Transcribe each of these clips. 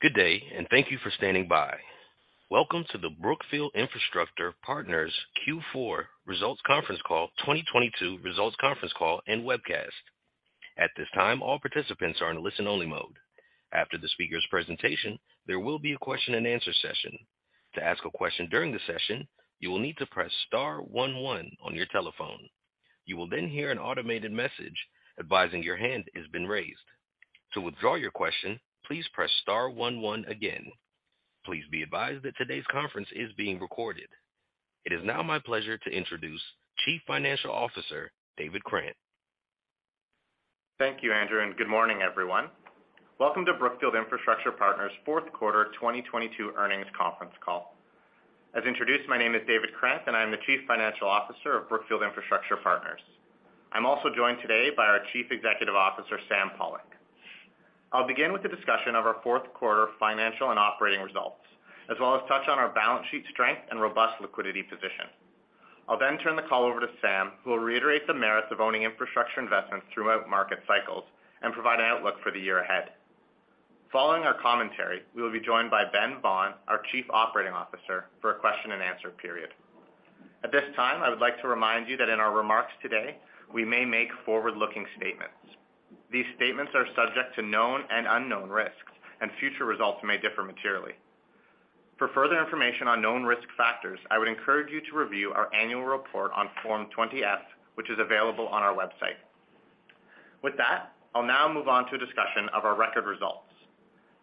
Good day. Thank you for standing by. Welcome to the Brookfield Infrastructure Partners Q4 2022 results conference call and webcast. At this time, all participants are in listen-only mode. After the speaker's presentation, there will be a question-and-answer session. To ask a question during the session, you will need to press star one one on your telephone. You will hear an automated message advising your hand has been raised. To withdraw your question, please press star one one again. Please be advised that today's conference is being recorded. It is now my pleasure to introduce Chief Financial Officer, David Krant. Thank you, Andrew, and good morning, everyone. Welcome to Brookfield Infrastructure Partners' fourth quarter 2022 earnings conference call. As introduced, my name is David Krant, and I am the Chief Financial Officer of Brookfield Infrastructure Partners. I'm also joined today by our Chief Executive Officer, Sam Pollock. I'll begin with a discussion of our fourth quarter financial and operating results, as well as touch on our balance sheet strength and robust liquidity position. I'll then turn the call over to Sam, who will reiterate the merits of owning infrastructure investments throughout market cycles and provide an outlook for the year ahead. Following our commentary, we will be joined by Ben Vaughan, our Chief Operating Officer, for a question-and-answer period. At this time, I would like to remind you that in our remarks today, we may make forward-looking statements. These statements are subject to known and unknown risks, future results may differ materially. For further information on known risk factors, I would encourage you to review our annual report on Form 20-F, which is available on our website. With that, I'll now move on to a discussion of our record results.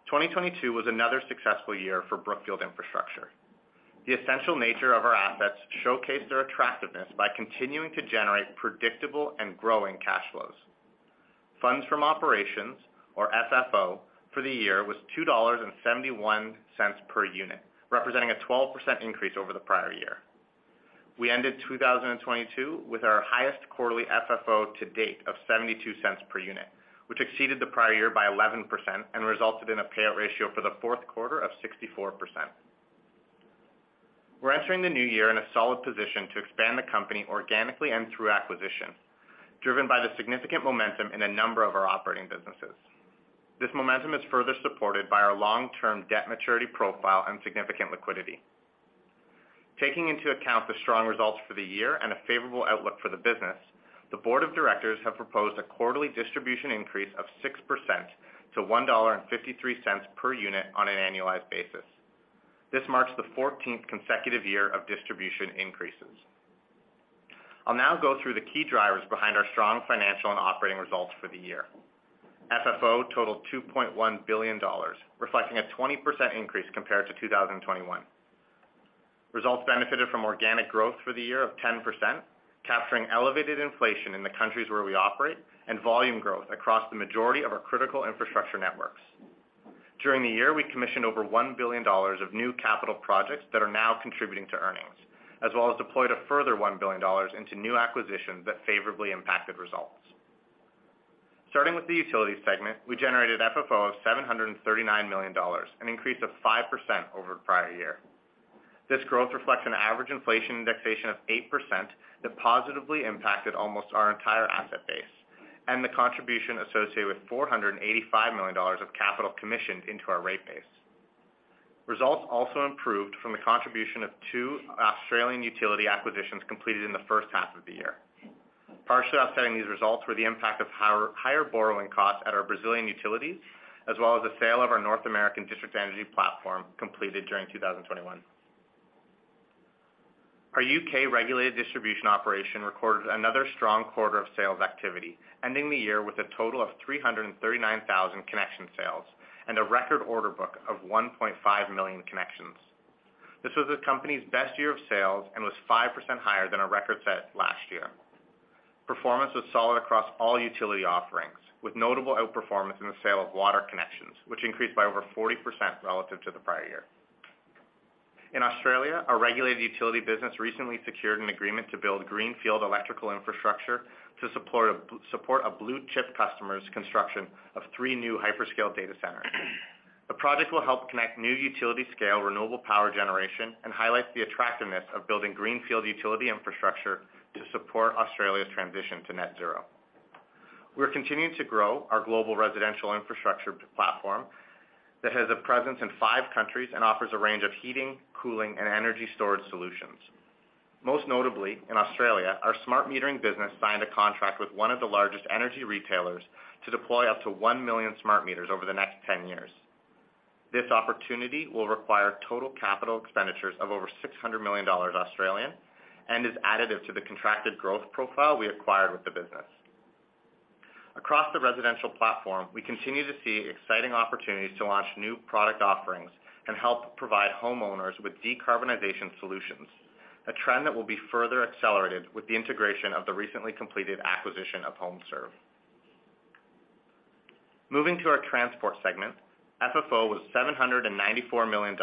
2022 was another successful year for Brookfield Infrastructure. The essential nature of our assets showcased their attractiveness by continuing to generate predictable and growing cash flows. Funds from operations, or FFO, for the year was $2.71 per unit, representing a 12% increase over the prior year. We ended 2022 with our highest quarterly FFO to date of $0.72 per unit, which exceeded the prior year by 11% and resulted in a payout ratio for the fourth quarter of 64%. We're entering the new year in a solid position to expand the company organically and through acquisition, driven by the significant momentum in a number of our operating businesses. This momentum is further supported by our long-term debt maturity profile and significant liquidity. Taking into account the strong results for the year and a favorable outlook for the business, the Board of Directors have proposed a quarterly distribution increase of 6% to $1.53 per unit on an annualized basis. This marks the fourteenth consecutive year of distribution increases. I'll now go through the key drivers behind our strong financial and operating results for the year. FFO totaled $2.1 billion, reflecting a 20% increase compared to 2021. Results benefited from organic growth for the year of 10%, capturing elevated inflation in the countries where we operate and volume growth across the majority of our critical infrastructure networks. During the year, we commissioned over $1 billion of new capital projects that are now contributing to earnings, as well as deployed a further $1 billion into new acquisitions that favorably impacted results. Starting with the utilities segment, we generated FFO of $739 million, an increase of 5% over the prior year. This growth reflects an average inflation indexation of 8% that positively impacted almost our entire asset base and the contribution associated with $485 million of capital commissioned into our rate base. Results also improved from the contribution of two Australian utility acquisitions completed in the first half of the year. Partially offsetting these results were the impact of higher borrowing costs at our Brazilian utilities, as well as the sale of our North American district energy platform completed during 2021. Our U.K. regulated distribution operation recorded another strong quarter of sales activity, ending the year with a total of 339,000 connection sales and a record order book of 1.5 million connections. This was the company's best year of sales and was 5% higher than our record set last year. Performance was solid across all utility offerings, with notable outperformance in the sale of water connections, which increased by over 40% relative to the prior year. In Australia, our regulated utility business recently secured an agreement to build greenfield electrical infrastructure to support a Blue Chip customer's construction of three new hyperscale data centers. The project will help connect new utility-scale renewable power generation and highlights the attractiveness of building greenfield utility infrastructure to support Australia's transition to net zero. We're continuing to grow our global residential infrastructure platform that has a presence in five countries and offers a range of heating, cooling, and energy storage solutions. Most notably, in Australia, our smart metering business signed a contract with one of the largest energy retailers to deploy up to 1 million smart meters over the next 10 years. This opportunity will require total capital expenditures of over 600 million Australian dollars and is additive to the contracted growth profile we acquired with the business. Across the residential platform, we continue to see exciting opportunities to launch new product offerings and help provide homeowners with decarbonization solutions, a trend that will be further accelerated with the integration of the recently completed acquisition of HomeServe. Moving to our transport segment, FFO was $794 million,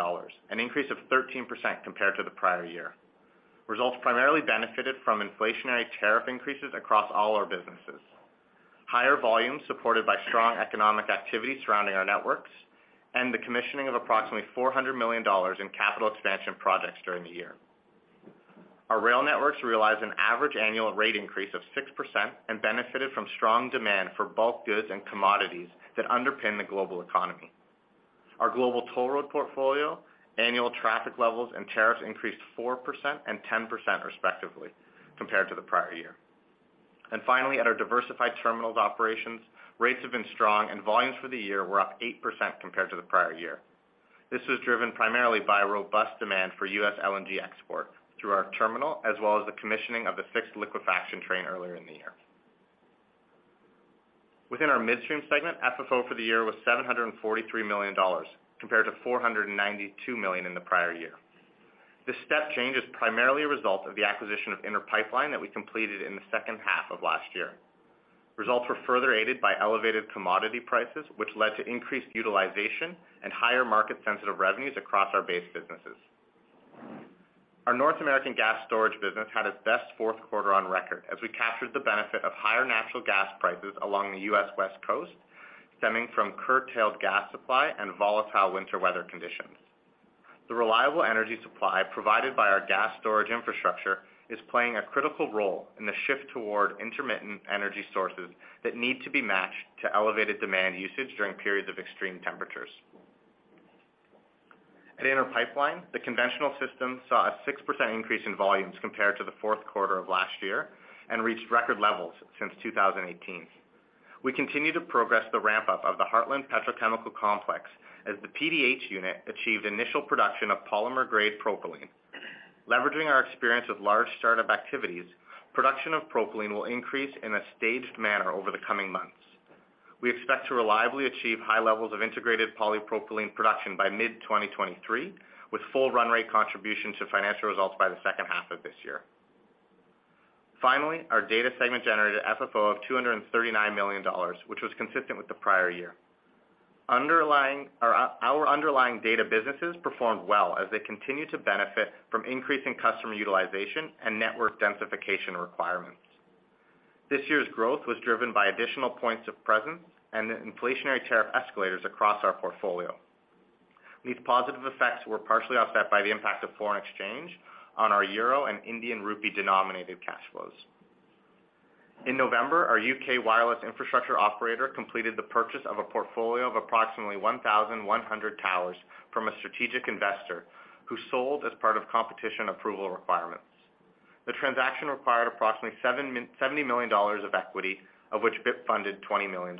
an increase of 13% compared to the prior year. Results primarily benefited from inflationary tariff increases across all our businesses. Higher volumes supported by strong economic activity surrounding our networks and the commissioning of approximately $400 million in capital expansion projects during the year. Our rail networks realized an average annual rate increase of 6% and benefited from strong demand for bulk goods and commodities that underpin the global economy. Our global toll road portfolio, annual traffic levels, and tariffs increased 4% and 10% respectively compared to the prior year. Finally, at our diversified terminals operations, rates have been strong and volumes for the year were up 8% compared to the prior year. This was driven primarily by robust demand for U.S. LNG export through our terminal, as well as the commissioning of the sixth liquefaction train earlier in the year. Within our midstream segment, FFO for the year was $743 million compared to $492 million in the prior year. This step change is primarily a result of the acquisition of Inter Pipeline that we completed in the second half of last year. Results were further aided by elevated commodity prices, which led to increased utilization and higher market-sensitive revenues across our base businesses. Our North American gas storage business had its best fourth quarter on record as we captured the benefit of higher natural gas prices along the U.S. West Coast, stemming from curtailed gas supply and volatile winter weather conditions. The reliable energy supply provided by our gas storage infrastructure is playing a critical role in the shift toward intermittent energy sources that need to be matched to elevated demand usage during periods of extreme temperatures. At Inter Pipeline, the conventional system saw a 6% increase in volumes compared to the fourth quarter of last year and reached record levels since 2018. We continue to progress the ramp-up of the Heartland Petrochemical Complex as the PDH unit achieved initial production of polymer-grade propylene. Leveraging our experience with large startup activities, production of propylene will increase in a staged manner over the coming months. We expect to reliably achieve high levels of integrated polypropylene production by mid-2023, with full run rate contribution to financial results by the second half of this year. Finally, our data segment generated FFO of $239 million, which was consistent with the prior year. Our underlying data businesses performed well as they continue to benefit from increasing customer utilization and network densification requirements. This year's growth was driven by additional points of presence and the inflationary tariff escalators across our portfolio. These positive effects were partially offset by the impact of foreign exchange on our euro and Indian rupee-denominated cash flows. In November, our U.K. wireless infrastructure operator completed the purchase of a portfolio of approximately 1,100 towers from a strategic investor who sold as part of competition approval requirements. The transaction required approximately $70 million of equity, of which BIP funded $20 million.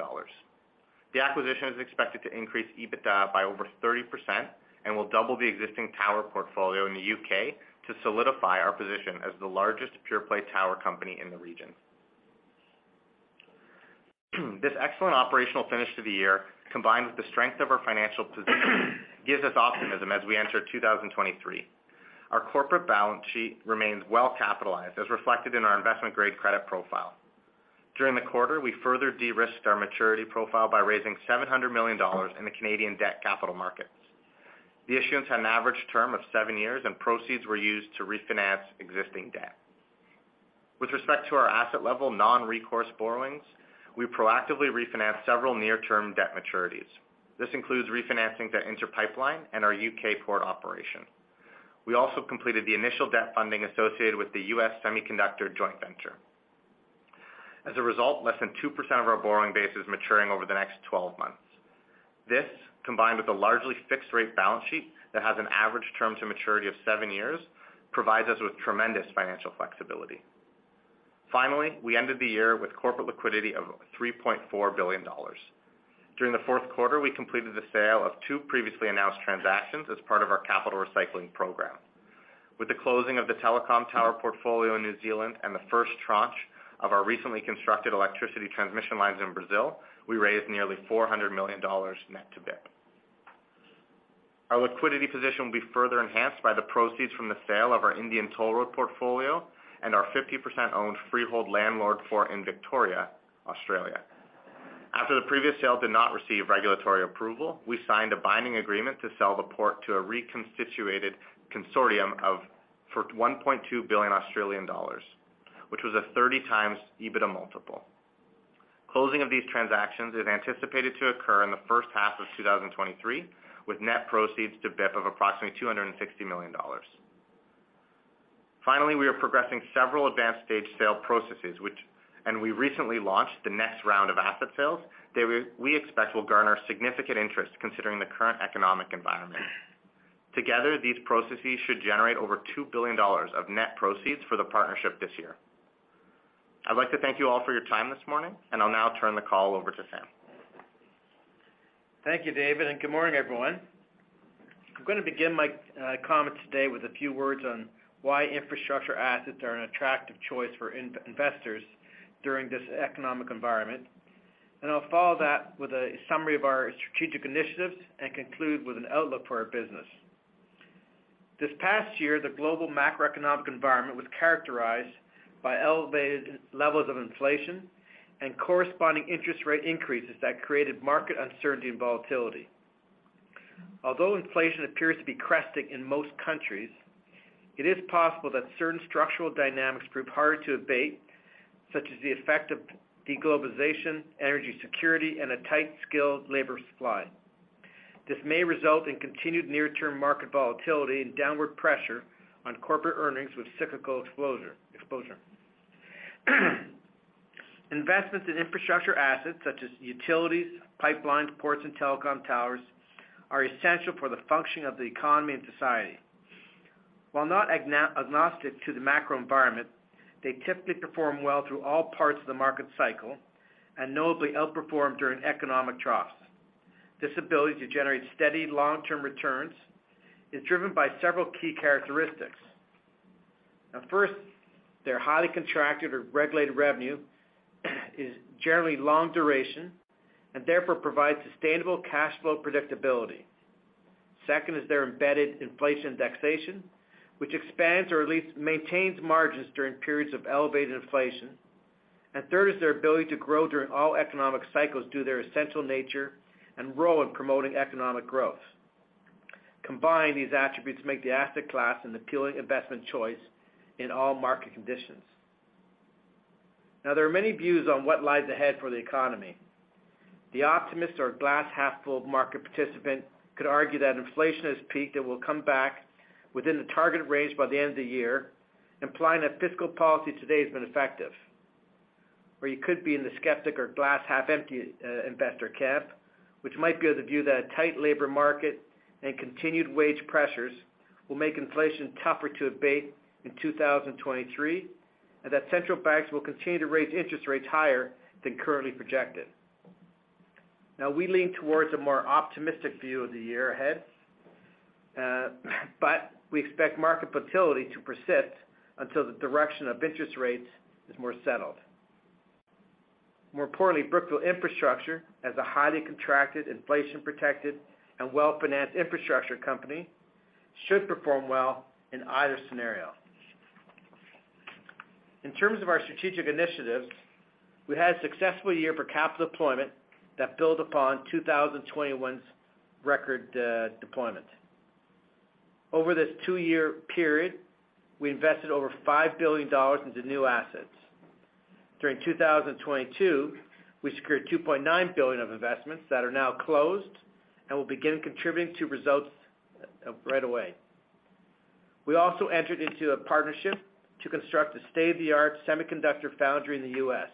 The acquisition is expected to increase EBITDA by over 30% and will double the existing tower portfolio in the U.K. to solidify our position as the largest pure-play tower company in the region. This excellent operational finish to the year, combined with the strength of our financial position, gives us optimism as we enter 2023. Our corporate balance sheet remains well capitalized as reflected in our investment-grade credit profile. During the quarter, we further de-risked our maturity profile by raising 700 million dollars in the Canadian debt capital markets. The issuance had an average term of 7 years, proceeds were used to refinance existing debt. With respect to our asset level non-recourse borrowings, we proactively refinanced several near-term debt maturities. This includes refinancing the Inter Pipeline and our U.K. port operation. We also completed the initial debt funding associated with the U.S. semiconductor joint venture. Less than 2% of our borrowing base is maturing over the next 12 months. This, combined with a largely fixed rate balance sheet that has an average term to maturity of 7 years, provides us with tremendous financial flexibility. We ended the year with corporate liquidity of $3.4 billion. During the fourth quarter, we completed the sale of two previously announced transactions as part of our capital recycling program. With the closing of the telecom tower portfolio in New Zealand and the first tranche of our recently constructed electricity transmission lines in Brazil, we raised nearly $400 million net to BIP. Our liquidity position will be further enhanced by the proceeds from the sale of our Indian toll road portfolio and our 50% owned freehold landlord port in Victoria, Australia. After the previous sale did not receive regulatory approval, we signed a binding agreement to sell the port to a reconstituted consortium for 1.2 billion Australian dollars, which was a 30x EBITDA multiple. Closing of these transactions is anticipated to occur in the first half of 2023, with net proceeds to BIP of approximately $260 million. Finally, we are progressing several advanced stage sale processes. We recently launched the next round of asset sales that we expect will garner significant interest considering the current economic environment. Together, these processes should generate over $2 billion of net proceeds for the partnership this year. I'd like to thank you all for your time this morning, and I'll now turn the call over to Sam. Thank you, David, good morning, everyone. I'm gonna begin my comments today with a few words on why infrastructure assets are an attractive choice for investors during this economic environment. I'll follow that with a summary of our strategic initiatives and conclude with an outlook for our business. This past year, the global macroeconomic environment was characterized by elevated levels of inflation and corresponding interest rate increases that created market uncertainty and volatility. Although inflation appears to be cresting in most countries, it is possible that certain structural dynamics prove hard to abate, such as the effect of de-globalization, energy security, and a tight skilled labor supply. This may result in continued near-term market volatility and downward pressure on corporate earnings with cyclical exposure. Investments in infrastructure assets such as utilities, pipelines, ports, and telecom towers are essential for the functioning of the economy and society. While not agnostic to the macro environment, they typically perform well through all parts of the market cycle and notably outperform during economic troughs. This ability to generate steady long-term returns is driven by several key characteristics. First, their highly contracted or regulated revenue is generally long duration and therefore provides sustainable cash flow predictability. Second is their embedded inflation indexation, which expands or at least maintains margins during periods of elevated inflation. Third is their ability to grow during all economic cycles due to their essential nature and role in promoting economic growth. Combined, these attributes make the asset class an appealing investment choice in all market conditions. There are many views on what lies ahead for the economy. The optimist or glass half full market participant could argue that inflation has peaked and will come back within the target range by the end of the year, implying that fiscal policy today has been effective. You could be in the skeptic or glass half empty investor camp, which might be of the view that a tight labor market and continued wage pressures will make inflation tougher to abate in 2023, and that central banks will continue to raise interest rates higher than currently projected. We lean towards a more optimistic view of the year ahead, but we expect market volatility to persist until the direction of interest rates is more settled. More importantly, Brookfield Infrastructure, as a highly contracted, inflation-protected, and well-financed infrastructure company, should perform well in either scenario. In terms of our strategic initiatives, we had a successful year for capital deployment that build upon 2021's record deployment. Over this 2-year period, we invested over $5 billion into new assets. During 2022, we secured $2.9 billion of investments that are now closed and will begin contributing to results right away. We also entered into a partnership to construct a state-of-the-art semiconductor foundry in the U.S.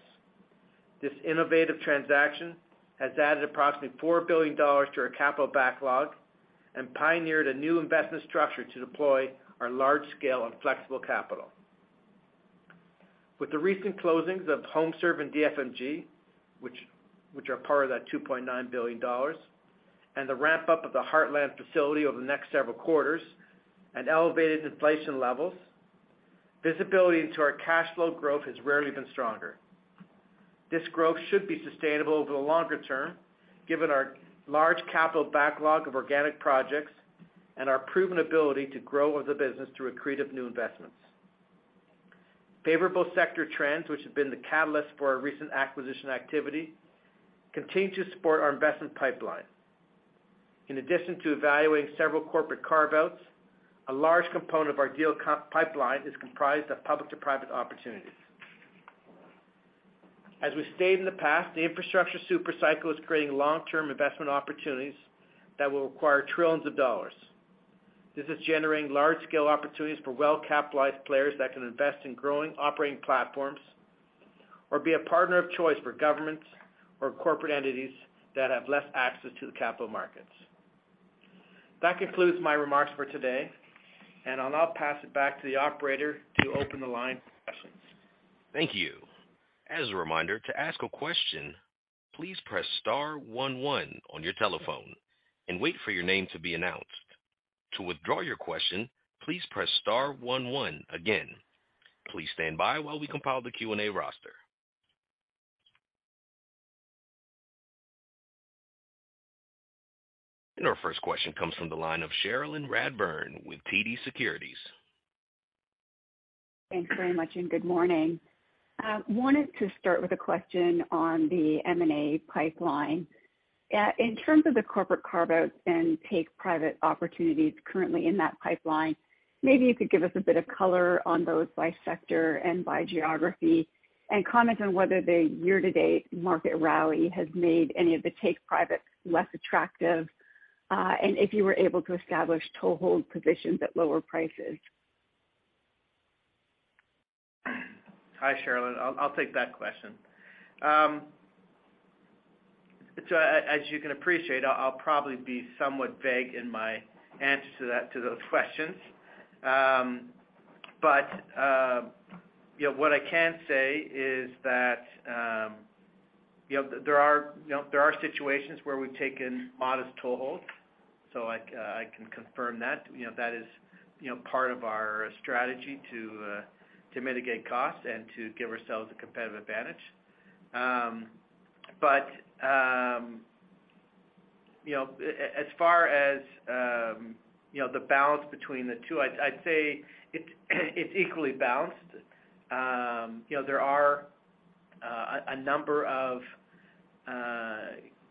This innovative transaction has added approximately $4 billion to our capital backlog and pioneered a new investment structure to deploy our large scale and flexible capital. With the recent closings of HomeServe and DFMG, which are part of that $2.9 billion, and the ramp-up of the Heartland facility over the next several quarters and elevated inflation levels, visibility into our cash flow growth has rarely been stronger. This growth should be sustainable over the longer term, given our large capital backlog of organic projects and our proven ability to grow as a business through accretive new investments. Favorable sector trends, which have been the catalyst for our recent acquisition activity, continue to support our investment pipeline. In addition to evaluating several corporate carve-outs, a large component of our deal comp pipeline is comprised of public to private opportunities. As we stated in the past, the infrastructure super cycle is creating long-term investment opportunities that will require trillions of dollars. This is generating large-scale opportunities for well-capitalized players that can invest in growing operating platforms or be a partner of choice for governments or corporate entities that have less access to the capital markets. That concludes my remarks for today, I'll now pass it back to the operator to open the line for questions. Thank you. As a reminder, to ask a question, please press star one one on your telephone and wait for your name to be announced. To withdraw your question, please press star one one again. Please stand by while we compile the Q&A roster. Our first question comes from the line of Cherilyn Radbourne with TD Securities. Thanks very much. Good morning. Wanted to start with a question on the M&A pipeline. In terms of the corporate carve-outs and take private opportunities currently in that pipeline, maybe you could give us a bit of color on those by sector and by geography and comment on whether the year-to-date market rally has made any of the take privates less attractive, and if you were able to establish toehold positions at lower prices. Hi, Cherilyn. I'll take that question. As you can appreciate, I'll probably be somewhat vague in my answer to that, to those questions. You know, what I can say is that, you know, there are, you know, there are situations where we've taken modest toeholds, so I can confirm that. You know, that is, you know, part of our strategy to mitigate costs and to give ourselves a competitive advantage. You know, as far as, you know, the balance between the two, I'd say it's equally balanced. You know, there are a number of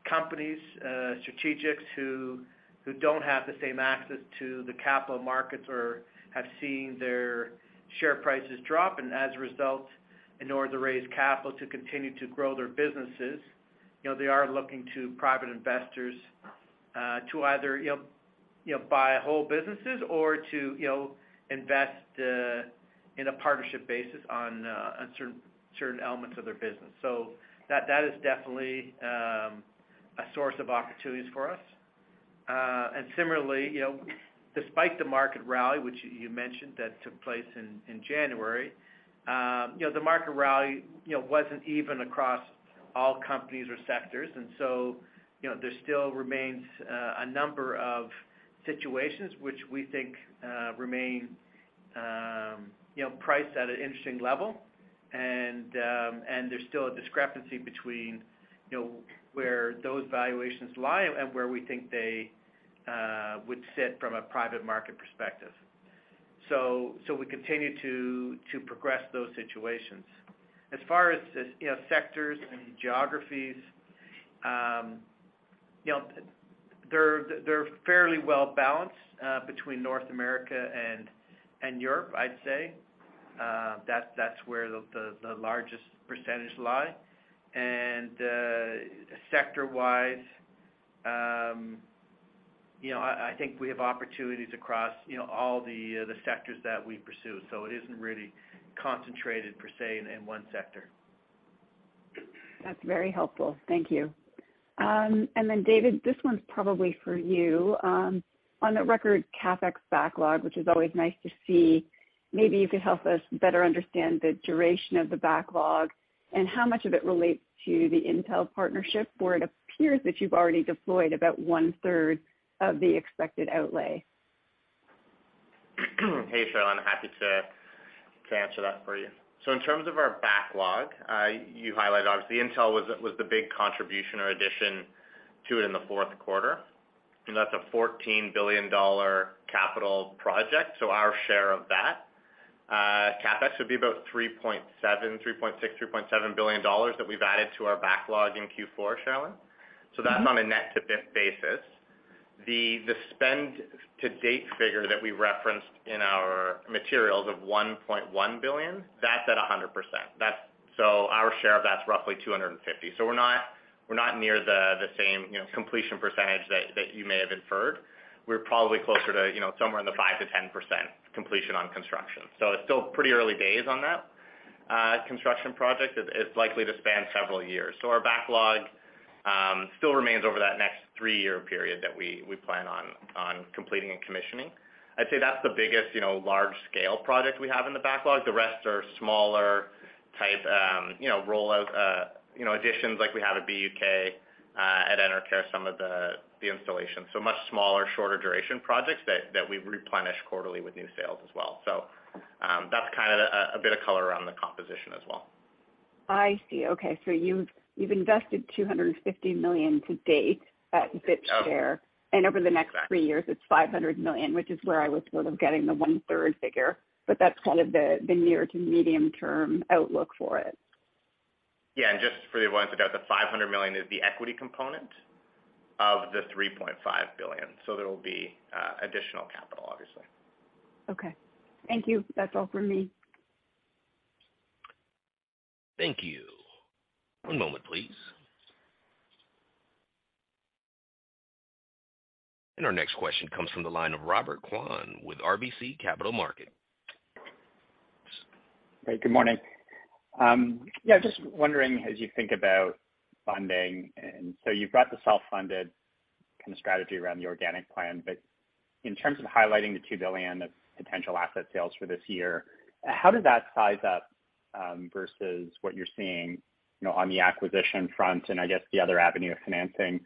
companies, strategics who don't have the same access to the capital markets or have seen their share prices drop, and as a result, in order to raise capital to continue to grow their businesses, you know, they are looking to private investors to either, you know, buy whole businesses or to, you know, invest in a partnership basis on certain elements of their business. That is definitely a source of opportunities for us. Similarly, you know, despite the market rally, which you mentioned that took place in January, you know, the market rally wasn't even across all companies or sectors. You know, there still remains a number of situations which we think remain, you know, priced at an interesting level. There's still a discrepancy between, you know, where those valuations lie and where we think they would sit from a private market perspective. We continue to progress those situations. As far as, you know, sectors and geographies, you know, they're fairly well balanced between North America and Europe, I'd say. That's where the largest percentage lie. Sector-wise, you know, I think we have opportunities across, you know, all the sectors that we pursue. So it isn't really concentrated per se in one sector. That's very helpful. Thank you. Then David, this one's probably for you. On the record CapEx backlog, which is always nice to see, maybe you could help us better understand the duration of the backlog and how much of it relates to the Intel partnership, where it appears that you've already deployed about one-third of the expected outlay. Hey, Cherilyn, happy to answer that for you. In terms of our backlog, you highlighted, obviously Intel was the big contribution or addition to it in the fourth quarter. That's a $14 billion capital project. Our share of that CapEx would be about $3.7 billion that we've added to our backlog in Q4, Cherilyn. That's on a net to BIP basis. The spend to date figure that we referenced in our materials of $1.1 billion, that's at 100%. Our share of that's roughly $250 million. We're not near the same, you know, completion percentage that you may have inferred. We're probably closer to, you know, somewhere in the 5%-10% completion on construction. It's still pretty early days on that construction project. It's likely to span several years. Our backlog still remains over that next 3-year period that we plan on completing and commissioning. I'd say that's the biggest, you know, large scale project we have in the backlog. The rest are smaller type, you know, rollout, you know, additions like we had at BUUK, at Enercare some of the installations. Much smaller, shorter duration projects that we replenish quarterly with new sales as well. That's kind of a bit of color around the composition as well. I see. Okay. You've invested $250 million to date at bit share. Yeah. Exactly. Over the next three years, it's $500 million, which is where I was sort of getting the one-third figure. That's kind of the near to medium term outlook for it. Yeah. Just for everyone, the $500 million is the equity component of the $3.5 billion. There will be additional capital, obviously. Okay. Thank you. That's all for me. Thank you. One moment, please. Our next question comes from the line of Robert Kwan with RBC Capital Markets. Hey, good morning. Yeah, just wondering as you think about funding, you've got the self-funded kind of strategy around the organic plan. In terms of highlighting the $2 billion of potential asset sales for this year, how does that size up versus what you're seeing, you know, on the acquisition front and I guess the other avenue of financing?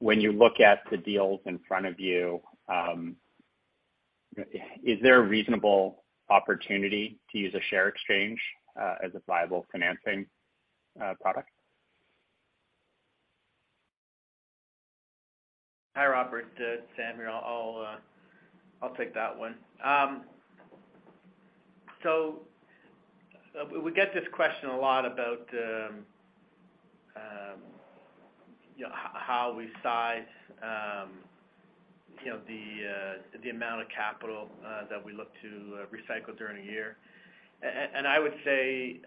You look at the deals in front of you, is there a reasonable opportunity to use a share exchange as a viable financing product? Hi, Robert. It's Samuel. I'll take that one. We get this question a lot about, you know, how we size, you know, the amount of capital that we look to recycle during a year. I would say,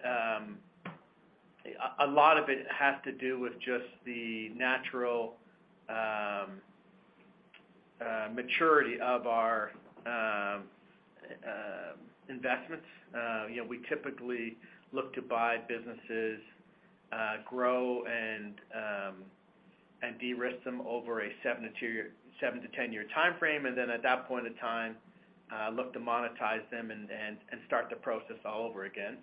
a lot of it has to do with just the natural maturity of our investments. You know, we typically look to buy businesses, grow and de-risk them over a 7 to 10 year timeframe, and then at that point in time, look to monetize them and start the process all over again.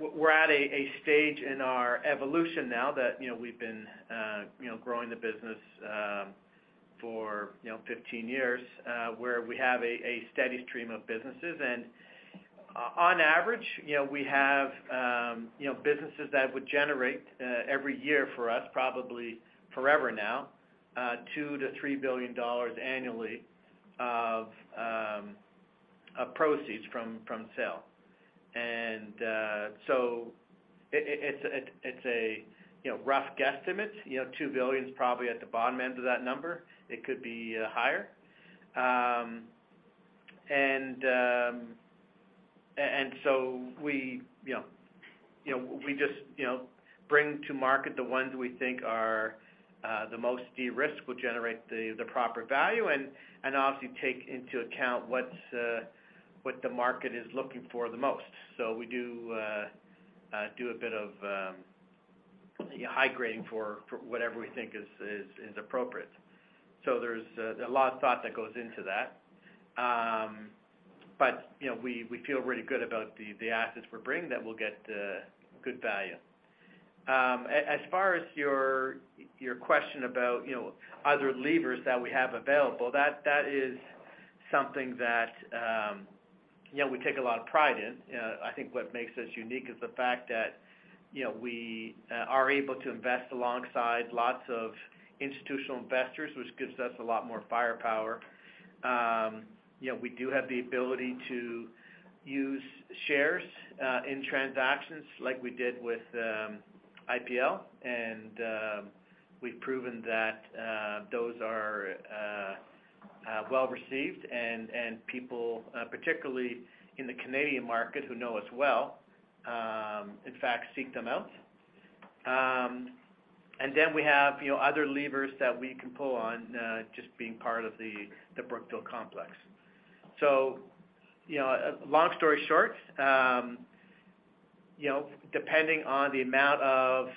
We're at a stage in our evolution now that, you know, we've been, you know, growing the business, for, you know, 15 years, where we have a steady stream of businesses. On average, you know, we have, you know, businesses that would generate every year for us, probably forever now, $2 billion-$3 billion annually of proceeds from sale. It's a, you know, rough guesstimate. You know, $2 billion is probably at the bottom end of that number. It could be higher. And so we, you know, we just, you know, bring to market the ones we think are the most de-risked, will generate the proper value and obviously take into account what the market is looking for the most. So we do a bit of high grading for whatever we think is appropriate. So there's a lot of thought that goes into that. But, you know, we feel really good about the assets we're bringing that will get good value. As far as your question about, you know, other levers that we have available, that is something that, you know, we take a lot of pride in. I think what makes us unique is the fact that, you know, we are able to invest alongside lots of institutional investors, which gives us a lot more firepower. You know, we do have the ability to use shares in transactions like we did with IPL. We've proven that those are well received and people, particularly in the Canadian market who know us well, in fact, seek them out. We have, you know, other levers that we can pull on, just being part of the Brookfield complex. You know, long story short, you know, depending on the amount of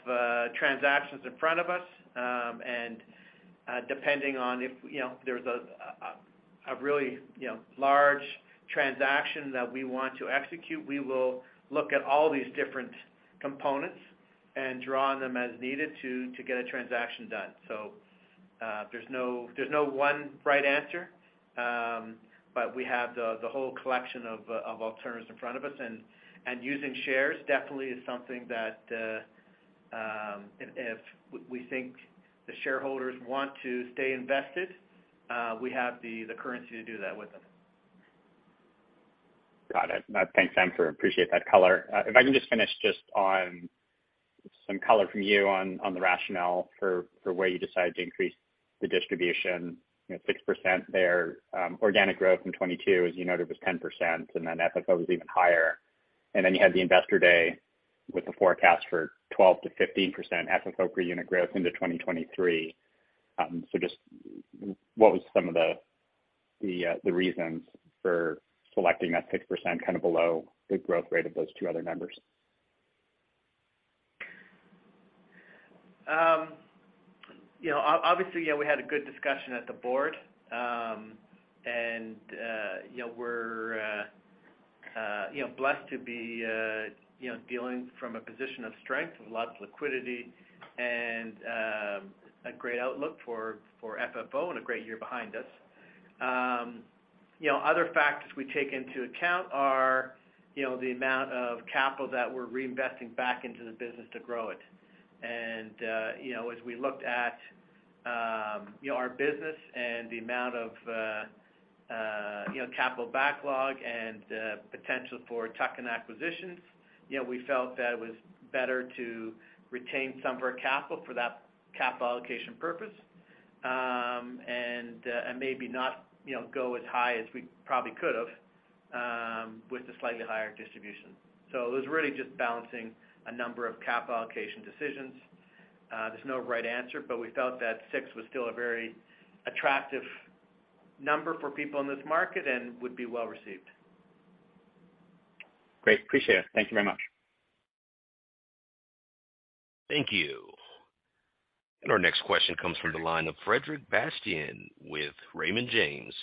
transactions in front of us, and depending on if, you know, there's a really, you know, large transaction that we want to execute, we will look at all these different components and draw on them as needed to get a transaction done. There's no, there's no one right answer. We have the whole collection of alternatives in front of us. Using shares definitely is something that if we think the shareholders want to stay invested, we have the currency to do that with them. Got it. Thanks, Sam, I appreciate that color. If I can just finish on some color from you on the rationale for where you decided to increase the distribution, you know, 6% there. Organic growth in 2022, as you noted, was 10%, and then FFO was even higher. You had the Investor Day with the forecast for 12%-15% FFO per unit growth into 2023. What was some of the reasons for selecting that 6% kind of below the growth rate of those two other numbers? You know, obviously, you know, we had a good discussion at the Board. You know, we're, you know, blessed to be, you know, dealing from a position of strength with lots of liquidity and a great outlook for FFO and a great year behind us. You know, other factors we take into account are, you know, the amount of capital that we're reinvesting back into the business to grow it. You know, as we looked at, you know, our business and the amount of, you know, capital backlog and potential for tuck-in acquisitions, you know, we felt that it was better to retain some of our capital for that capital allocation purpose, and maybe not, you know, go as high as we probably could have with a slightly higher distribution. It was really just balancing a number of capital allocation decisions. There's no right answer, but we felt that 6 was still a very attractive number for people in this market and would be well received. Great. Appreciate it. Thank you very much. Thank you. Our next question comes from the line of Frederic Bastien with Raymond James.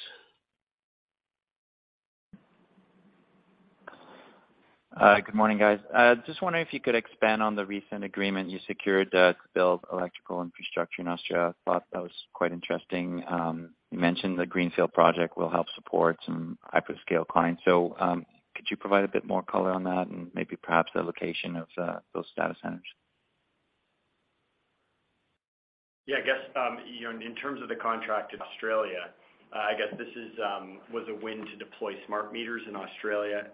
Good morning, guys. Just wondering if you could expand on the recent agreement you secured to build electrical infrastructure in Australia. I thought that was quite interesting. You mentioned the greenfield project will help support some hyperscale clients. Could you provide a bit more color on that and maybe perhaps the location of those data centers? Yeah, I guess, you know, in terms of the contract in Australia, I guess this is, was a win to deploy smart meters in Australia.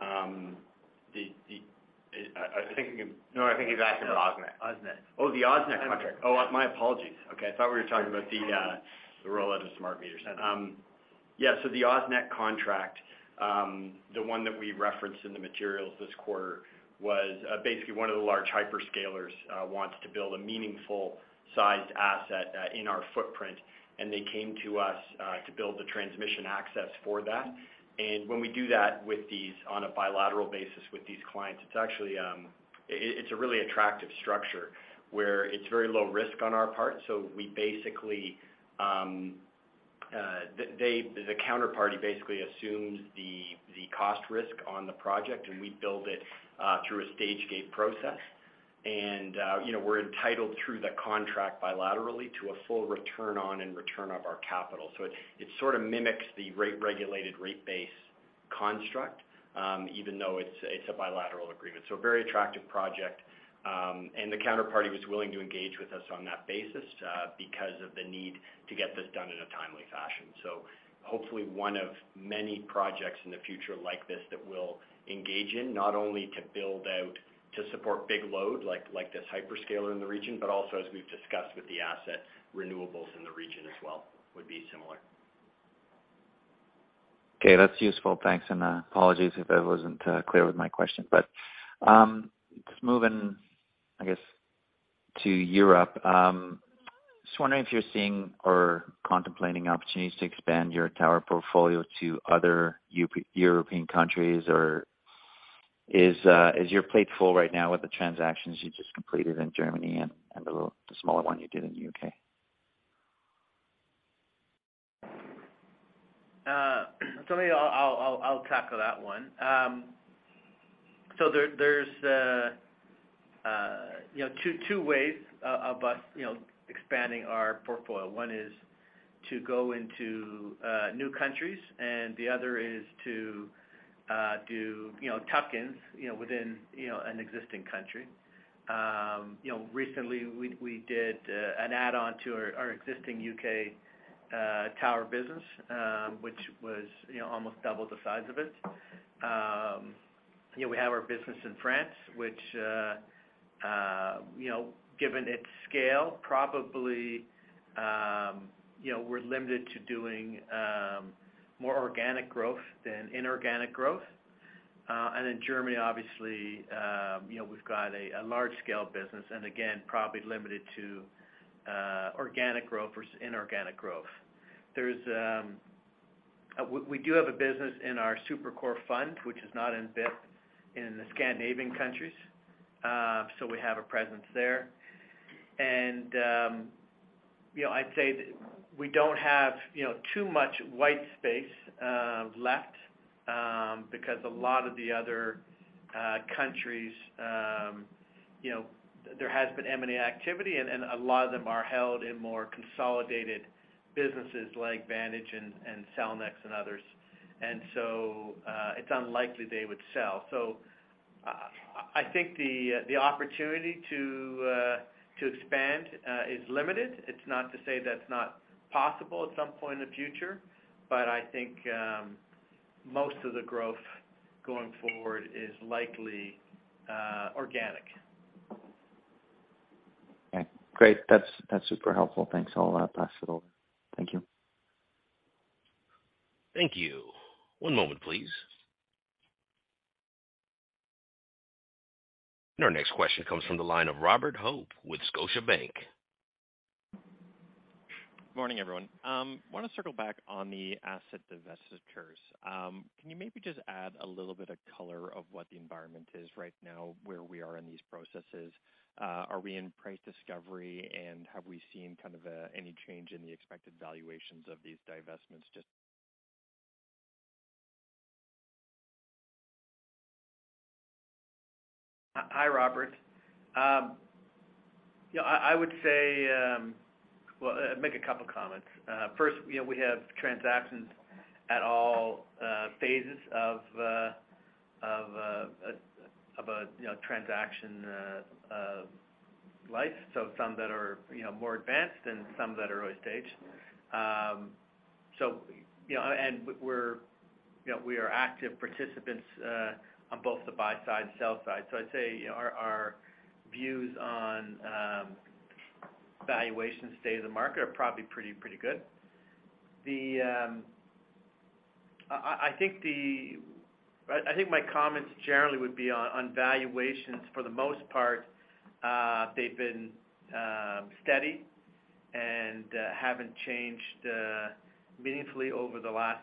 No, I think he's asking about AusNet. AusNet. The AusNet contract. My apologies. Okay. I thought we were talking about the role of the smart meters. Yeah. The AusNet contract, the one that we referenced in the materials this quarter was basically one of the large hyperscalers wants to build a meaningful-sized asset in our footprint, and they came to us to build the transmission access for that. When we do that with these on a bilateral basis with these clients, it's actually a really attractive structure where it's very low risk on our part. We basically, The counterparty basically assumes the cost risk on the project and we build it through a stage gate process. You know, we're entitled through the contract bilaterally to a full return on and return of our capital. It sort of mimics the rate regulated rate base construct, even though it's a bilateral agreement. A very attractive project. The counterparty was willing to engage with us on that basis, because of the need to get this done in a timely fashion. Hopefully one of many projects in the future like this that we'll engage in, not only to build out to support big load like this hyperscaler in the region, but also as we've discussed with the asset renewables in the region as well, would be similar. Okay, that's useful. Thanks. Apologies if I wasn't clear with my question. Just moving, I guess, to Europe, just wondering if you're seeing or contemplating opportunities to expand your tower portfolio to other European countries or is your plate full right now with the transactions you just completed in Germany and the smaller one you did in the U.K.? Maybe I'll tackle that one. There's, you know, two ways, about, you know, expanding our portfolio. One is to go into new countries and the other is to do, you know, tuck-ins, you know, within, you know, an existing country. You know, recently we did an add-on to our existing U.K. tower business, which was, you know, almost double the size of it. You know, we have our business in France, which, you know, given its scale, probably, you know, we're limited to doing more organic growth than inorganic growth. In Germany, obviously, you know, we've got a large scale business and again, probably limited to organic growth versus inorganic growth. There's, we do have a business in our Super-Core fund, which is not in BIP, in the Scandinavian countries. So we have a presence there. You know, I'd say that we don't have, you know, too much white space left because a lot of the other countries, you know, there has been M&A activity and a lot of them are held in more consolidated businesses like Vantage and Cellnex and others. It's unlikely they would sell. I think the opportunity to expand is limited. It's not to say that's not possible at some point in the future, but I think most of the growth going forward is likely organic. Okay, great. That's super helpful. Thanks a lot. Pass it over. Thank you. Thank you. One moment, please. Our next question comes from the line of Robert Hope with Scotiabank. Morning, everyone. Wanna circle back on the asset divestitures. Can you maybe just add a little bit of color of what the environment is right now, where we are in these processes? Are we in price discovery and have we seen kind of, any change in the expected valuations of these divestments? Hi, Robert. I would say, well, make a couple comments. First, you know, we have transactions at all phases of a, you know, transaction life. Some that are, you know, more advanced and some that are early stage. You know, we're, you know, we are active participants on both the buy side and sell side. I'd say, you know, our views on valuations stay in the market are probably pretty good. The, I think the I think my comments generally would be on valuations for the most part, they've been steady and haven't changed meaningfully over the last,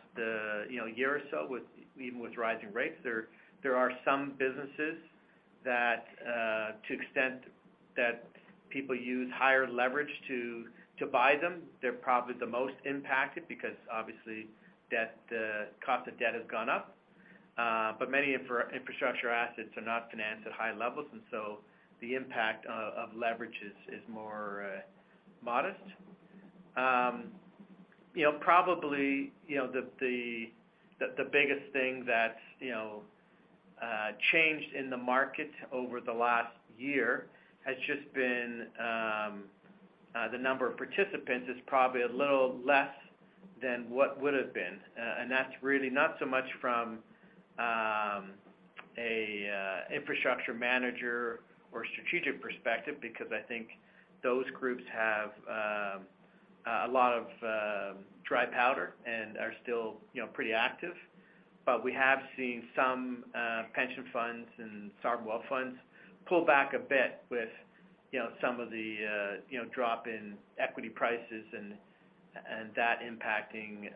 you know, year or so with, even with rising rates. There are some businesses that, to extent that people use higher leverage to buy them, they're probably the most impacted because obviously debt, cost of debt has gone up. Many infrastructure assets are not financed at high levels and so the impact of leverage is more modest. You know, probably, you know, the biggest thing that's, you know, changed in the market over the last year has just been the number of participants is probably a little less than what would've been. That's really not so much from an infrastructure manager or strategic perspective because I think those groups have a lot of dry powder and are still, you know, pretty active. We have seen some pension funds and sovereign wealth funds pull back a bit with, you know, some of the, you know, drop in equity prices and that impacting,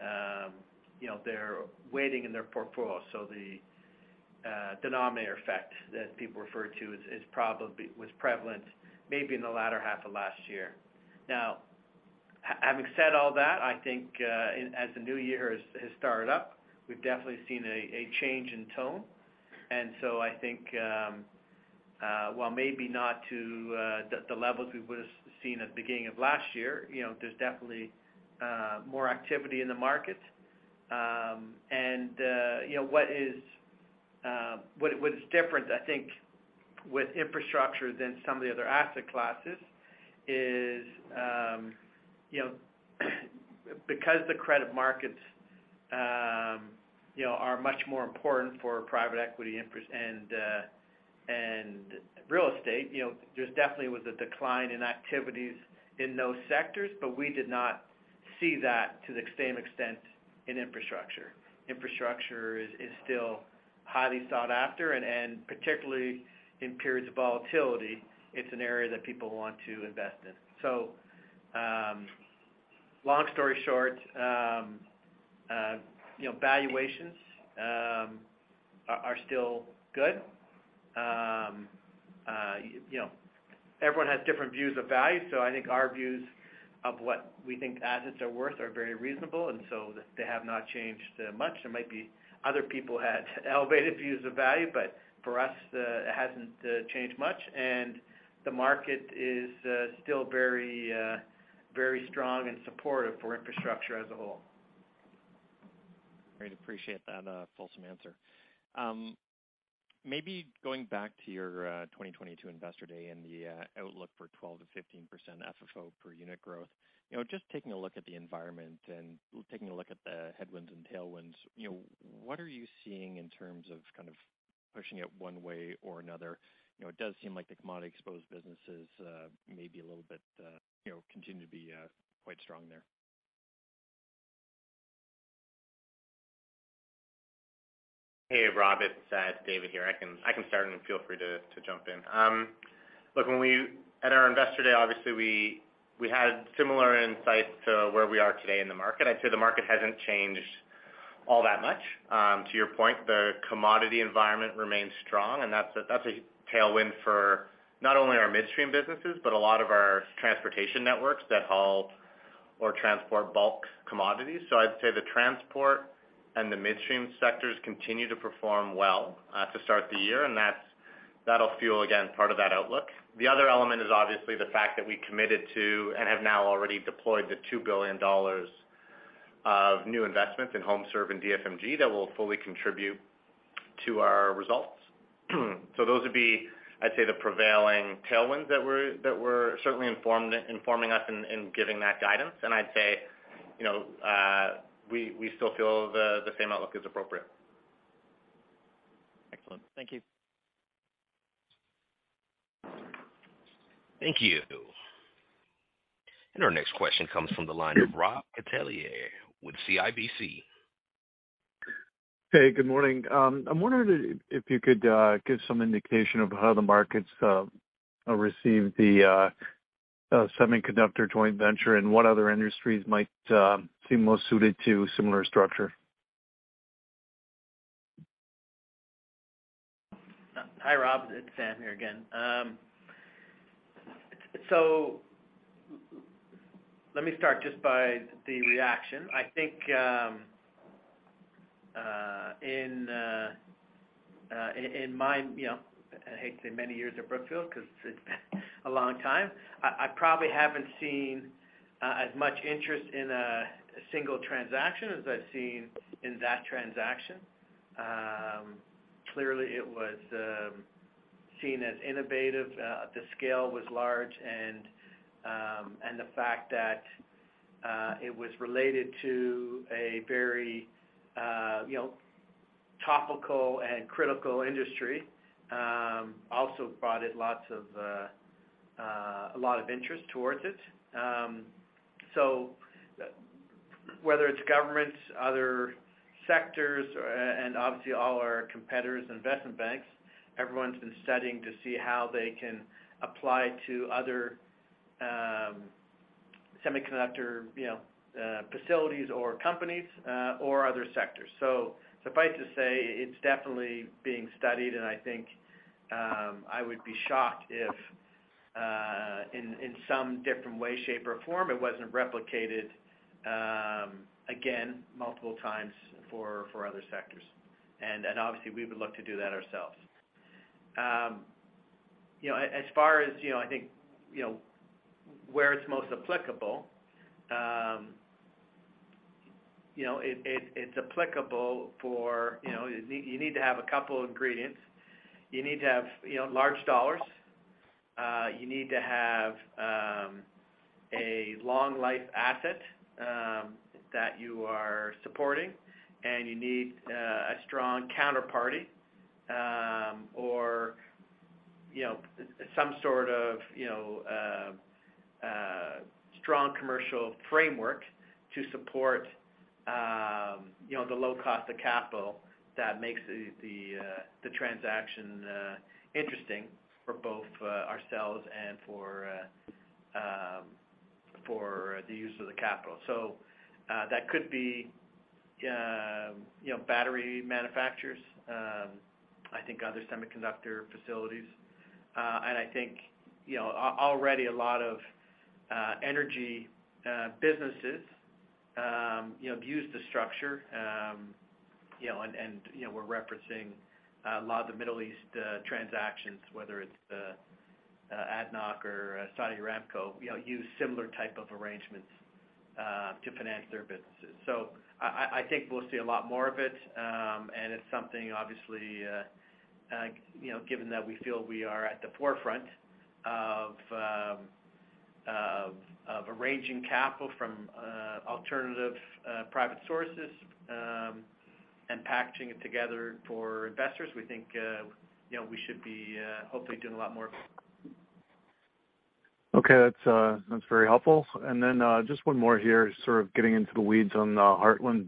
you know, their weighting in their portfolio. The denominator effect that people refer to is probably, was prevalent maybe in the latter half of last year. Having said all that, I think, as the new year has started up, we've definitely seen a change in tone. I think, while maybe not to the levels we would've seen at the beginning of last year, you know, there's definitely more activity in the market. You know, what is, what is different, I think, with infrastructure than some of the other asset classes is, you know, because the credit markets, you know, are much more important for private equity and real estate, you know, there's definitely was a decline in activities in those sectors, but we did not see that to the same extent in infrastructure. Infrastructure is still highly sought after and particularly in periods of volatility, it's an area that people want to invest in. Long story short, you know, valuations are still good. You know, everyone has different views of value, so I think our views of what we think assets are worth are very reasonable, and so they have not changed much. There might be other people had elevated views of value, but for us, it hasn't changed much. The market is still very strong and supportive for infrastructure as a whole. Great. Appreciate that, fulsome answer. Maybe going back to your 2022 Investor Day and the outlook for 12%-15% FFO per unit growth, you know, just taking a look at the environment and taking a look at the headwinds and tailwinds, you know, what are you seeing in terms of kind of pushing it one way or another? You know, it does seem like the commodity-exposed businesses may be a little bit, you know, continue to be quite strong there. Hey, Rob, it's David here. I can start and feel free to jump in. Look, at our Investor Day, obviously we had similar insights to where we are today in the market. I'd say the market hasn't changed all that much. To your point, the commodity environment remains strong, that's a tailwind for not only our midstream businesses, but a lot of our transportation networks that haul or transport bulk commodities. I'd say the transport and the midstream sectors continue to perform well to start the year, that'll fuel again, part of that outlook. The other element is obviously the fact that we committed to, and have now already deployed the $2 billion of new investments in HomeServe and DFMG that will fully contribute to our results. Those would be, I'd say, the prevailing tailwinds that we're certainly informed, informing us in giving that guidance. I'd say, you know, we still feel the same outlook is appropriate. Excellent. Thank you. Thank you. Our next question comes from the line of Robert Catellier with CIBC. Hey, good morning. I'm wondering if you could give some indication of how the markets receive the semiconductor joint venture and what other industries might seem most suited to similar structure? Hi, Rob. It's Sam here again. Let me start just by the reaction. I think, in my, you know, I hate to say many years at Brookfield because it's a long time. I probably haven't seen as much interest in a single transaction as I've seen in that transaction. Clearly, it was seen as innovative. The scale was large and the fact that it was related to a very, you know, topical and critical industry also brought it lots of a lot of interest towards it. Whether it's governments, other sectors, and obviously all our competitors and investment banks, everyone's been studying to see how they can apply to other semiconductor, you know, facilities or companies or other sectors. Suffice to say it's definitely being studied, and I think, I would be shocked if, in some different way, shape, or form, it wasn't replicated, again multiple times for other sectors. Obviously we would look to do that ourselves. You know, as far as, you know, I think, you know, where it's most applicable, you know, it, it's applicable for, you know, you need to have a couple of ingredients. You need to have, you know, large dollars. You need to have a long life asset that you are supporting, and you need a strong counterparty, or, you know, some sort of, you know, strong commercial framework to support, you know, the low cost of capital that makes the transaction interesting for both ourselves and for the use of the capital. That could be, you know, battery manufacturers, I think other semiconductor facilities. I think, you know, already a lot of energy businesses have used the structure. You know, you know, we're referencing, a lot of the Middle East, transactions, whether it's, ADNOC or Saudi Aramco, you know, use similar type of arrangements, to finance their businesses. I think we'll see a lot more of it, and it's something obviously, you know, given that we feel we are at the forefront of arranging capital from alternative private sources, and packaging it together for investors. We think, you know, we should be, hopefully doing a lot more of it. Okay. That's very helpful. Just one more here, sort of getting into the weeds on Heartland.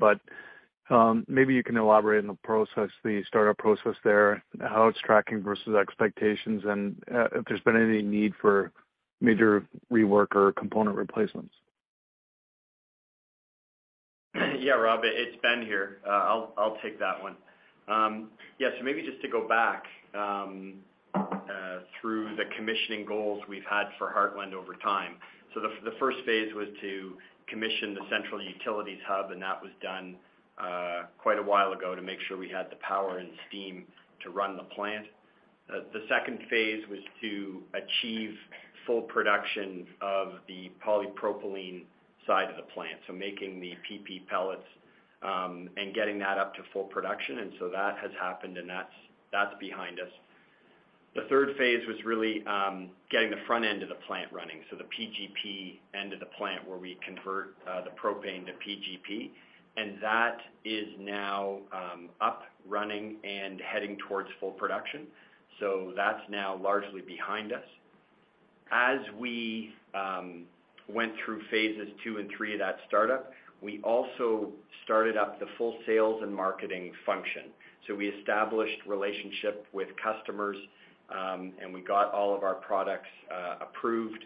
Maybe you can elaborate on the process, the startup process there, how it's tracking versus expectations, and if there's been any need for major rework or component replacements. Yeah, Rob, it's Ben here. I'll take that one. Yeah, maybe just to go back through the commissioning goals we've had for Heartland over time. The first phase was to commission the central utilities hub, that was done quite a while ago to make sure we had the power and steam to run the plant. The second phase was to achieve full production of the polypropylene side of the plant, so making the PP pellets, getting that up to full production. That has happened, and that's behind us. The third phase was really getting the front end of the plant running, so the PGP end of the plant where we convert the propane to PGP. That is now up, running, and heading towards full production. That's now largely behind us. As we went through phases II and III of that startup, we also started up the full sales and marketing function. We established relationship with customers, and we got all of our products approved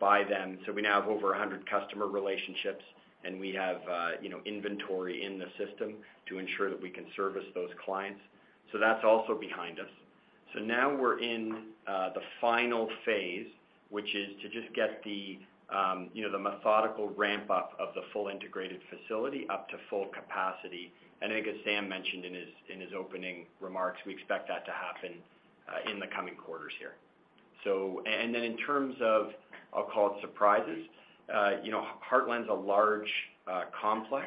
by them. We now have over 100 customer relationships, and we have, you know, inventory in the system to ensure that we can service those clients. That's also behind us. Now we're in the final phase, which is to just get the, you know, the methodical ramp up of the full integrated facility up to full capacity. I think as Sam mentioned in his opening remarks, we expect that to happen in the coming quarters here. In terms of, I'll call it surprises, you know, Heartland's a large complex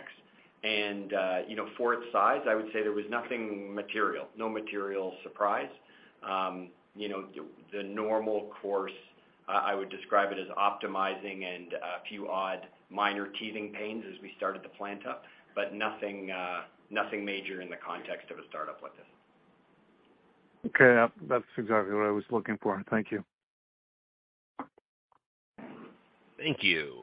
and, you know, for its size, I would say there was nothing material, no material surprise. You know, the normal course, I would describe it as optimizing and a few odd minor teething pains as we started the plant up, but nothing major in the context of a startup like this. That's exactly what I was looking for. Thank you. Thank you.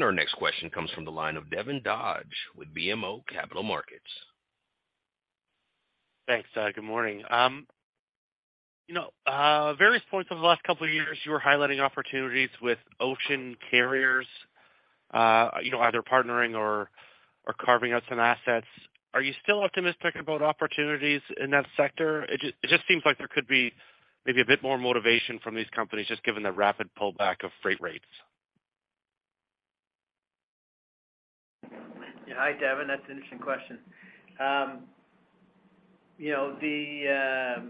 Our next question comes from the line of Devin Dodge with BMO Capital Markets. Thanks. Good morning. You know, various points over the last couple of years, you were highlighting opportunities with ocean carriers, you know, either partnering or carving out some assets. Are you still optimistic about opportunities in that sector? It just seems like there could be maybe a bit more motivation from these companies, just given the rapid pullback of freight rates. Yeah. Hi, Devin. That's an interesting question. you know, the, you know,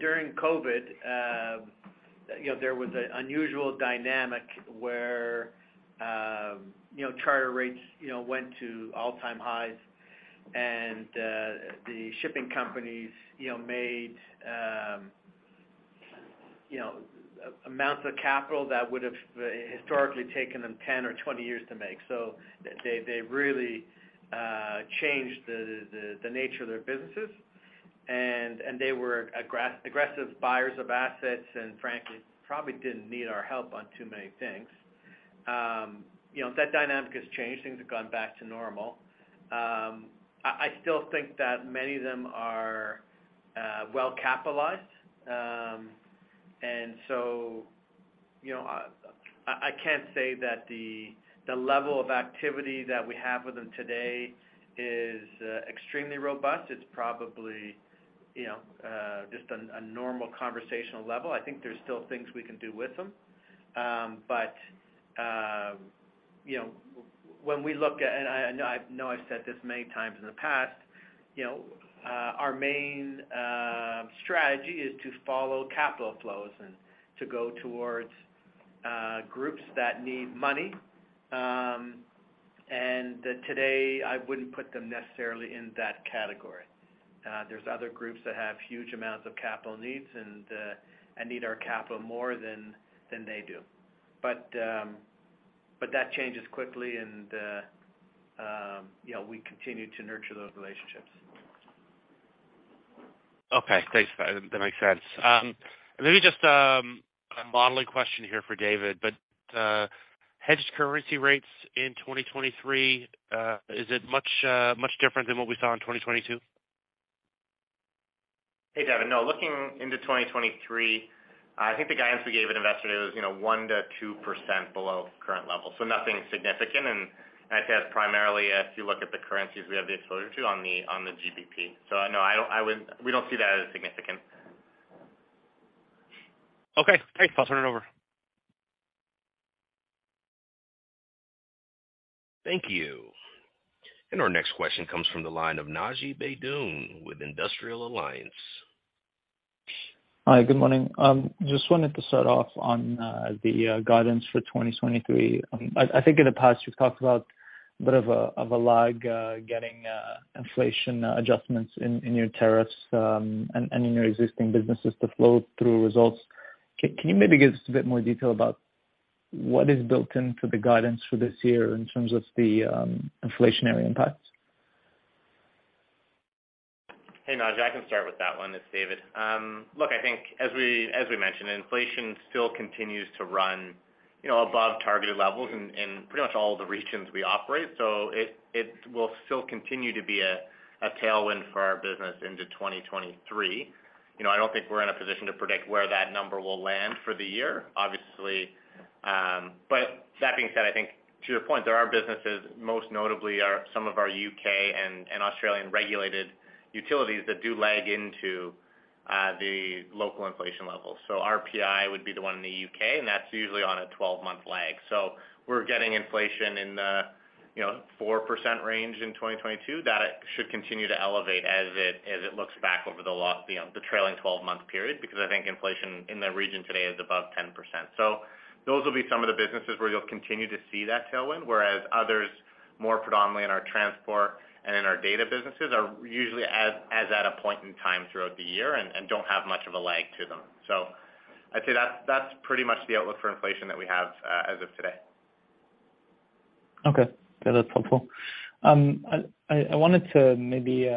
during COVID, you know, there was an unusual dynamic where, you know, charter rates, you know, went to all-time highs and, the shipping companies, you know, made, you know, amounts of capital that would have historically taken them 10 or 20 years to make. They, they really, changed the, the nature of their businesses and they were aggressive buyers of assets and frankly, probably didn't need our help on too many things. you know, that dynamic has changed. Things have gone back to normal. I still think that many of them are, well capitalized. you know, I can't say that the level of activity that we have with them today is, extremely robust. It's probably, you know, just a normal conversational level. I think there's still things we can do with them. You know, and I know I've said this many times in the past, you know, our main strategy is to follow capital flows and to go towards groups that need money. Today, I wouldn't put them necessarily in that category. There's other groups that have huge amounts of capital needs and need our capital more than they do. That changes quickly and, you know, we continue to nurture those relationships. Okay. Thanks for that. That makes sense. Maybe just a modeling question here for David, but hedged currency rates in 2023, is it much different than what we saw in 2022? Hey, Devin. No. Looking into 2023, I think the guidance we gave at Investor Day was, you know, 1%-2% below current levels, so nothing significant. I'd say that's primarily, as you look at the currencies we have the exposure to on the GBP. No, we don't see that as significant. Okay. Thanks. I'll turn it over. Thank you. Our next question comes from the line of Naji Baydoun with Industrial Alliance. Hi, good morning. Just wanted to start off on the guidance for 2023. I think in the past, you've talked about a bit of a lag, getting inflation adjustments in your tariffs, and in your existing businesses to flow through results. Can you maybe give us a bit more detail about what is built into the guidance for this year in terms of the inflationary impacts? Hey, Naji, I can start with that one. It's David. Look, I think as we, as we mentioned, inflation still continues to run, you know, above targeted levels in pretty much all the regions we operate. It, it will still continue to be a tailwind for our business into 2023. You know, I don't think we're in a position to predict where that number will land for the year, obviously. That being said, I think to your point, there are businesses, most notably our, some of our U.K. and Australian regulated utilities that do lag into, the local inflation levels. RPI would be the one in the U.K., and that's usually on a 12-month lag. We're getting inflation in the, you know, 4% range in 2022. That should continue to elevate as it looks back over the last, you know, the trailing 12-month period because I think inflation in the region today is above 10%. Those will be some of the businesses where you'll continue to see that tailwind, whereas others, more predominantly in our transport and in our data businesses, are usually as at a point in time throughout the year and don't have much of a lag to them. I'd say that's pretty much the outlook for inflation that we have as of today. Okay. Yeah, that's helpful. I wanted to maybe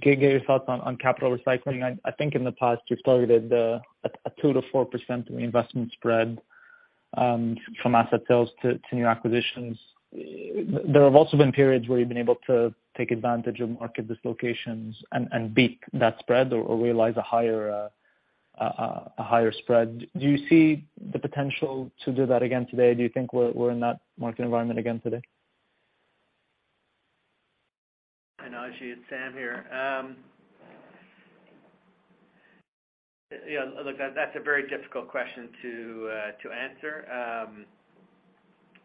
get your thoughts on capital recycling. I think in the past, you've targeted a 2%-4% reinvestment spread from asset sales to new acquisitions. There have also been periods where you've been able to take advantage of market dislocations and beat that spread or realize a higher spread. Do you see the potential to do that again today? Do you think we're in that market environment again today? Hi, Naji. It's Sam here. you know, look, that's a very difficult question to answer.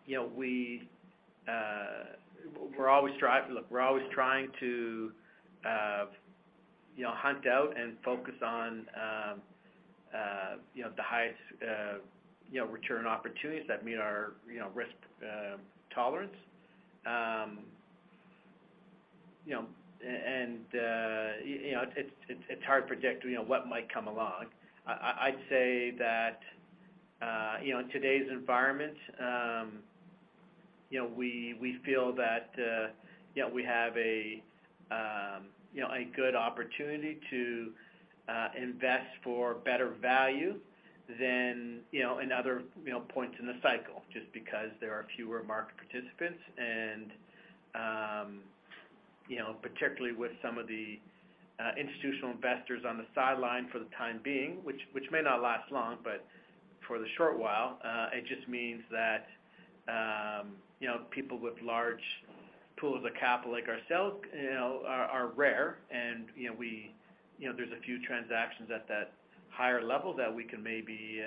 you know, we're always trying. Look, we're always trying to, you know, hunt out and focus on, you know, the highest, you know, return opportunities that meet our, you know, risk, tolerance. You know, it's hard to predict, you know, what might come along. I'd say that, you know, in today's environment, you know, we feel that, you know, we have a, you know, a good opportunity to invest for better value than, you know, in other, you know, points in the cycle, just because there are fewer market participants and, you know, particularly with some of the institutional investors on the sideline for the time being, which may not last long, but for the short while, it just means that, you know, people with large pools of capital like ourselves, you know, are rare. And, you know, we, you know, there's a few transactions at that higher level that we can maybe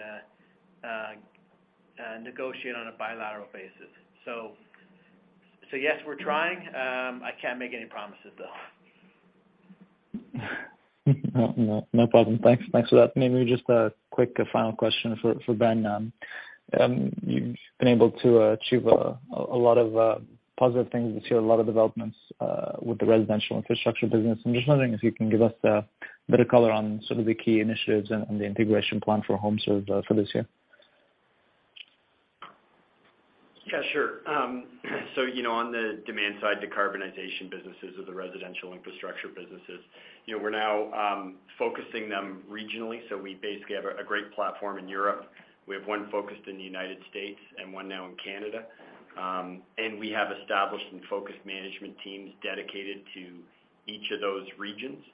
negotiate on a bilateral basis. Yes, we're trying. I can't make any promises, though. No problem. Thanks for that. Maybe just a quick final question for Ben. You've been able to achieve a lot of positive things this year, a lot of developments with the residential infrastructure business. I'm just wondering if you can give us a bit of color on some of the key initiatives and the integration plan for HomeServe for this year. Yeah, sure. you know, on the demand side decarbonization businesses of the residential infrastructure businesses, you know, we're now, focusing them regionally. We basically have a great platform in Europe. We have one focused in the United States and one now in Canada. We have established and focused management teams dedicated to each of those regions.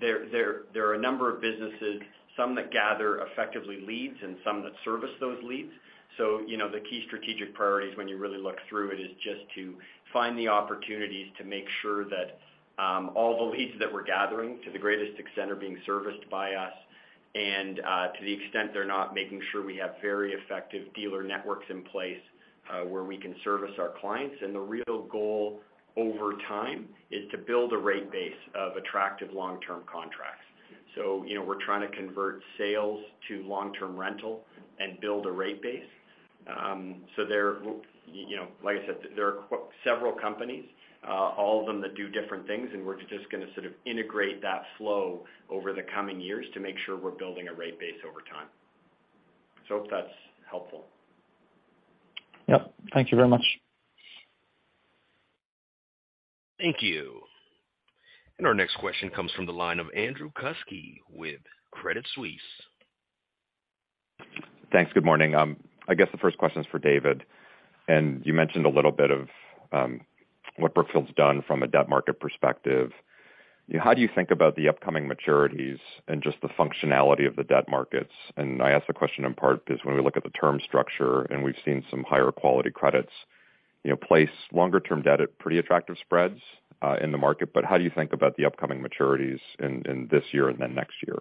There are a number of businesses, some that gather effectively leads and some that service those leads. you know, the key strategic priorities when you really look through it is just to find the opportunities to make sure that all the leads that we're gathering to the greatest extent are being serviced by us. To the extent they're not, making sure we have very effective dealer networks in place, where we can service our clients. The real goal over time is to build a rate base of attractive long-term contracts. You know, we're trying to convert sales to long-term rental and build a rate base. There, you know, like I said, there are several companies, all of them that do different things, and we're just gonna sort of integrate that flow over the coming years to make sure we're building a rate base over time. I hope that's helpful. Yep. Thank you very much. Thank you. Our next question comes from the line of Andrew Kuske with Credit Suisse. Thanks. Good morning. I guess the first question is for David. You mentioned a little bit of what Brookfield's done from a debt market perspective. How do you think about the upcoming maturities and just the functionality of the debt markets? I ask the question in part because when we look at the term structure, we've seen some higher quality credits, you know, place longer term debt at pretty attractive spreads in the market. How do you think about the upcoming maturities in this year and then next year?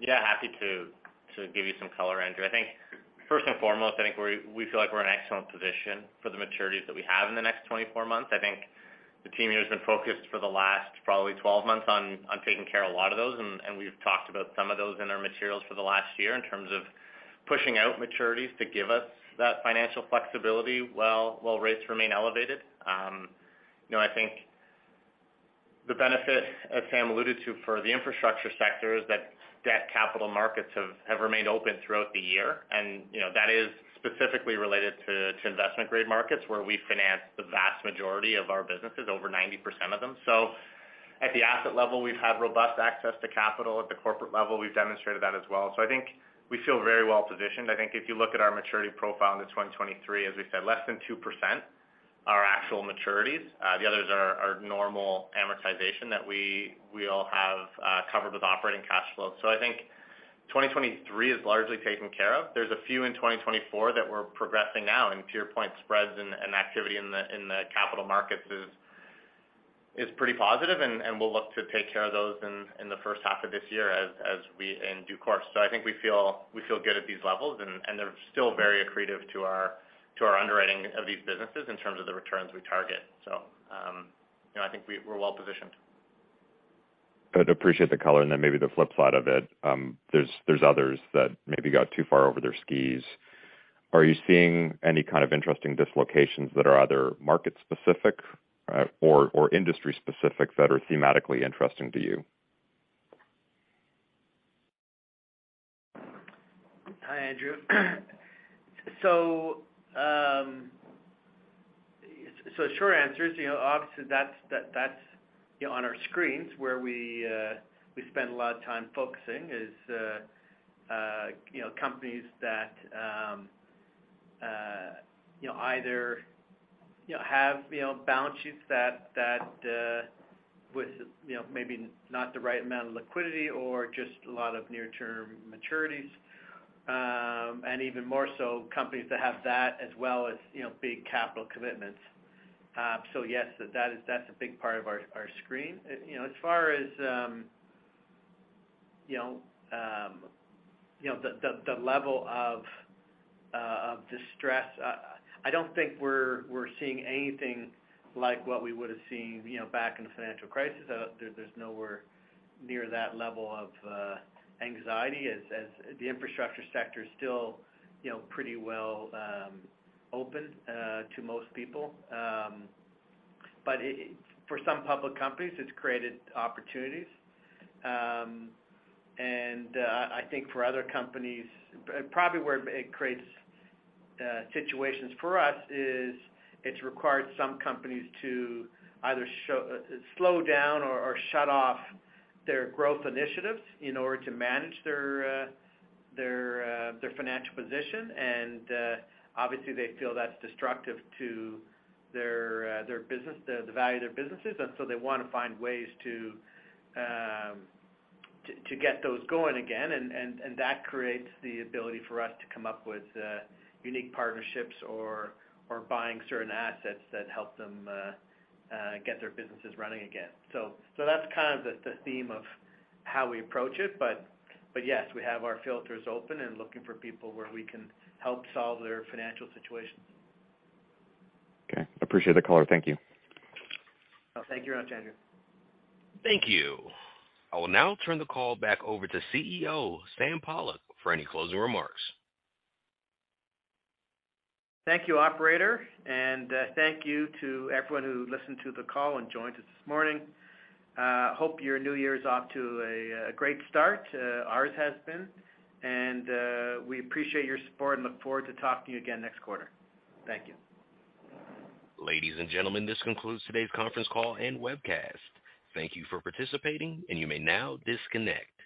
Yeah, happy to give you some color, Andrew. I think first and foremost, we feel like we're in an excellent position for the maturities that we have in the next 24 months. I think the team here has been focused for the last probably 12 months on taking care a lot of those, and we've talked about some of those in our materials for the last year in terms of pushing out maturities to give us that financial flexibility while rates remain elevated. You know, I think the benefit, as Sam alluded to, for the infrastructure sector is that debt capital markets have remained open throughout the year. You know, that is specifically related to investment grade markets, where we finance the vast majority of our businesses, over 90% of them. At the asset level, we've had robust access to capital. At the corporate level, we've demonstrated that as well. I think we feel very well positioned. I think if you look at our maturity profile into 2023, as we said, less than 2% are actual maturities. The others are normal amortization that we all have covered with operating cash flow. I think 2023 is largely taken care of. There's a few in 2024 that we're progressing now. To your point, spreads and activity in the capital markets is pretty positive, and we'll look to take care of those in the first half of this year as we in due course. I think we feel good at these levels, and they're still very accretive to our underwriting of these businesses in terms of the returns we target. You know, I think we're well-positioned. Good. Appreciate the color. Maybe the flip side of it, there's others that maybe got too far over their skis. Are you seeing any kind of interesting dislocations that are either market specific or industry specific that are thematically interesting to you? Hi, Andrew. So, um, so short answer is, you know, obviously that's, that, that's, you know, on our screens where we, uh, we spend a lot of time focusing is, uh, uh, you know, companies that, um, uh, you know, either, you know, have, you know, balance sheets that, that, uh, with, you know, maybe not the right amount of liquidity or just a lot of near term maturities. Um, and even more so companies that have that as well as, you know, big capital commitments. Uh, so yes, that is, that's a big part of our, our screen. You know, as far as, um, you know, um, you know, the, the, the level of, uh, of distress, uh, I don't think we're, we're seeing anything like what we would have seen, you know, back in the financial crisis. There's nowhere near that level of anxiety as the infrastructure sector is still, you know, pretty well open to most people. For some public companies, it's created opportunities. I think for other companies, probably where it creates situations for us is it's required some companies to either slow down or shut off their growth initiatives in order to manage their financial position. Obviously they feel that's destructive to their business, the value of their businesses. They wanna find ways to get those going again. That creates the ability for us to come up with unique partnerships or buying certain assets that help them get their businesses running again. That's kind of the theme of how we approach it. Yes, we have our filters open and looking for people where we can help solve their financial situations. Okay. Appreciate the color. Thank you. Thank you. Andrew. Thank you. I will now turn the call back over to CEO, Sam Pollock, for any closing remarks. Thank you, operator. Thank you to everyone who listened to the call and joined us this morning. Hope your new year is off to a great start. Ours has been. We appreciate your support and look forward to talking to you again next quarter. Thank you. Ladies and gentlemen, this concludes today's conference call and webcast. Thank you for participating, and you may now disconnect.